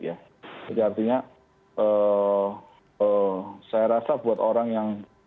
jadi artinya saya rasa buat orang yang sudah menerima covid sembilan belas